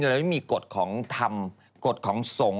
เราจะไม่มีกฎของทำกฎของสง